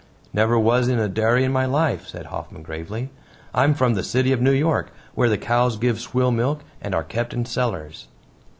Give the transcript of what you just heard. "Never was in a dairy in my life," said Hoffman gravely. "I'm from the city of New York, where the cows give swill milk, and are kept in cellars."